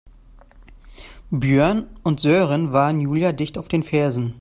Björn und Sören waren Julia dicht auf den Fersen.